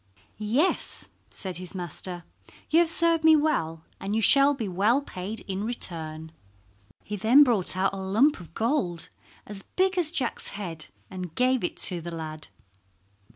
"Yes," said his master, "you have served me well, and you shall be well paid in return." He then brought out a lump of gold as big as Jack's head and gave it to the lad.